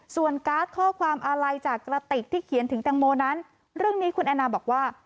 ส่วนการ์ดข้อความอาลัยจากกระติกที่เขียนถึงแตงโมนั้นเรื่องนี้คุณแอนนาบอกว่า